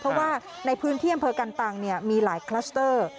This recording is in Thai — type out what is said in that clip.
เพราะว่าในพื้นที่อำเภอกันตังมีหลายคลัสเตอร์